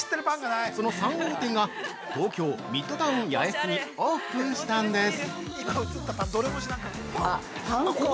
その３号店が東京ミッドタウン八重洲にオープンしたんです。